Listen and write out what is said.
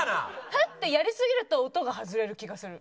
フッ！ってやりすぎると音が外れる気がする。